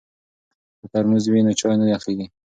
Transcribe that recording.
که ترموز وي نو چای نه یخیږي.